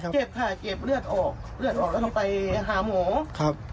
เจ็บค่ะเจ็บเลือดออกเลือดออกแล้วเขาไปหาหมู